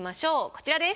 こちらです。